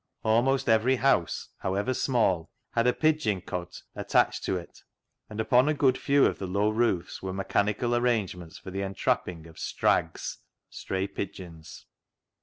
Almost every house, how ever small, had a pigeon cote attached to it, and upon a good few of the low roofs were mechanical arrangements for the entrapping of " strags " (stray pigeons).